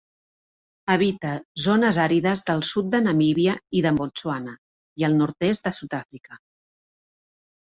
Habita zones àrides del sud de Namíbia i de Botswana i el nord-oest de Sud-àfrica.